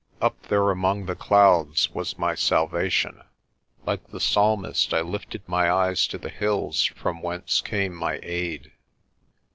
Up there among the clouds was my salvation. Like the Psalmist, I lifted my eyes to the hills from whence came my aid.